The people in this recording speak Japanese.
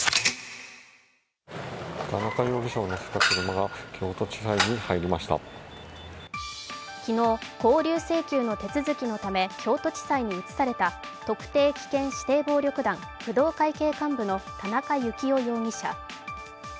田中容疑者を乗せた車が昨日、勾留請求の手続きのため京都地裁に移された特定危険指定暴力団・工藤会系幹部の田中幸雄容疑者。